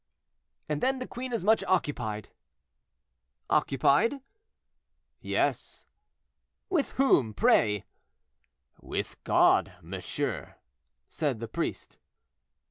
"And then the queen is much occupied." "Occupied?" "Yes." "With whom, pray?" "With God, monsieur," said the priest.